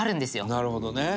なるほどね。